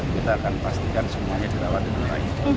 kita akan pastikan semuanya dirawat dengan baik